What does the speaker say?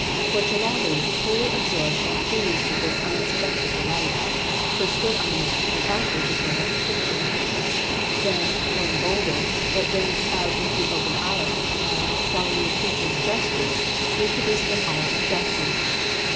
For Chellalu, wholly absorbed and pleased with this unexpected delight, first stood on the mat and acted the girdle picture; then, growing bolder, advanced out into the open aisle, and, following the preacher's gestures, reproduced them all exactly.